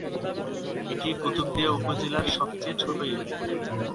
এটি কুতুবদিয়া উপজেলার সবচেয়ে ছোট ইউনিয়ন।